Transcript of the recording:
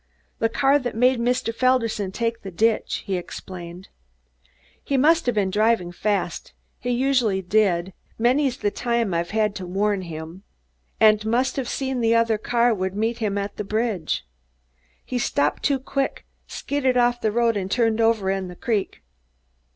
"The car that made Mr. Felderson take the ditch," he explained. "He must have been driving fast he usually did; many's the time I've had to warn him and must have seen that the other car would meet him at the bridge. He stopped too quick, skidded off the road and turned over into the creek."